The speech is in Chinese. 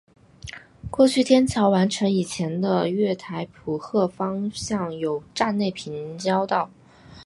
过去天桥完成以前的月台浦贺方向有站内平交道。